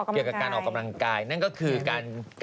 คือเขาการออกกำลังกายเป็นการลึกมาก